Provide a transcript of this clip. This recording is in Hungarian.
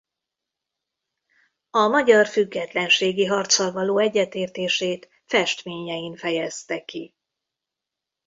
A magyar függetlenségi harccal való egyetértését festményein fejezte ki.